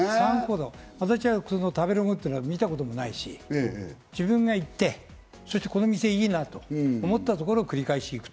私は食べログというのは見たこともないし、自分が行って、この店いいなと思ったところを繰り返し行く。